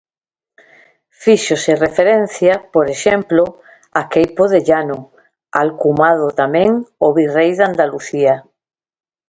Fíxose referencia, por exemplo, a Queipo de Llano, alcumado tamén o virrei de Andalucía.